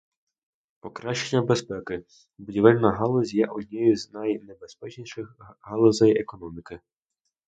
Покращення безпеки: Будівельна галузь є однією з найнебезпечніших галузей економіки.